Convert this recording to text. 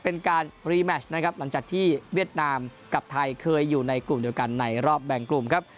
เป็นการรีแมชนะครับหลังจากที่เวียดนามกับไทยเคยอยู่ในกลุ่มเดียวกันในรอบแบ่งกลุ่มครับ